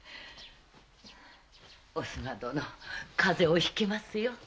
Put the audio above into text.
おすが殿風邪をひきますよ。